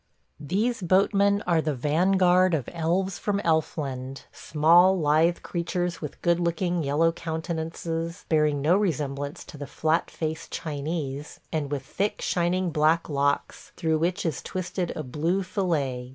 ... These boatmen are the vanguard of elves from Elfland – small, lithe creatures with good looking yellow countenances, bearing no resemblance to the flat faced Chinese, and with thick, shining black locks, through which is twisted a blue fillet.